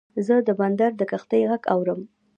زه د بندر د کښتۍ غږ اورم.